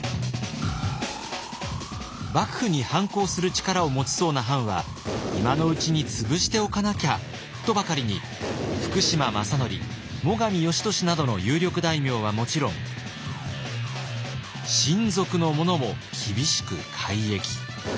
幕府に反抗する力を持ちそうな藩は今のうちに潰しておかなきゃとばかりに福島正則最上義俊などの有力大名はもちろん親族の者も厳しく改易。